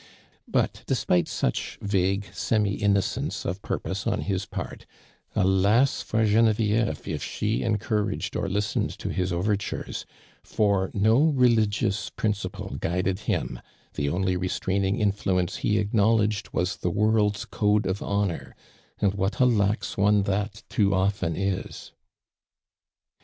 But despite sui li vague semi innooence of ))urposo on his part, alas 1 for (renevieve, if she encouraged or listened to his overtures, for no religious principle guided him, the only restraining influence he acknowledged was the world's code of honor, and what a lax one that too often is